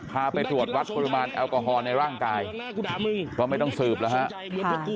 ไปตรวจวัดปริมาณแอลกอฮอลในร่างกายก็ไม่ต้องสืบแล้วครับ